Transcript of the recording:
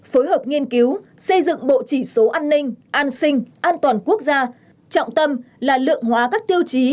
phối hợp nghiên cứu xây dựng bộ chỉ số an ninh an sinh an toàn quốc gia trọng tâm là lượng hóa các tiêu chí